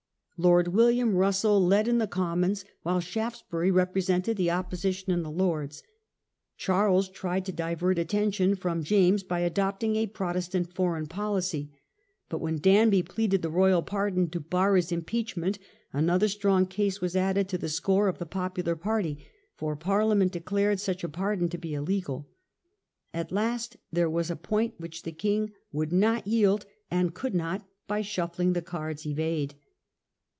Lord William Russell led in* the Commons, while Shaftesbury represented the opposition in the Lords. Charles tried to divert attention from James by adopting a Protestant foreign policy, but when Danby pleaded the royal pardon to bar his impeachment another strong case was added to the score of the popular party; for Parlia ment declared such a pardon to be illegal. At last there was a point which the king would not yield and could not, by shuffling the cards, evade.